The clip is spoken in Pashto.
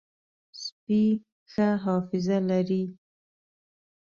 سپي ښه حافظه لري.